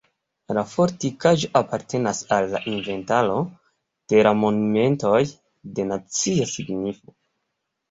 La fortikaĵo apartenas al la inventaro de la monumentoj de nacia signifo.